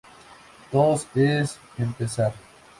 Todo es empezar".